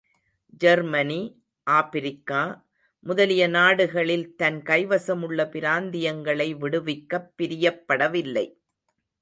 Germany, Africa முதலிய நாடுகளில் தன் கைவசமுள்ள பிராந்தியங்களை விடுவிக்கப் பிரியப்படவில்லை.